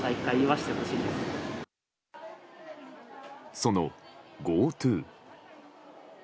そのＧｏＴｏ。